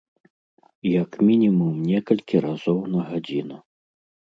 Як мінімум некалькі разоў на гадзіну.